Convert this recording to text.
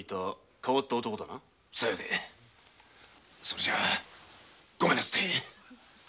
それじゃごめんなすって。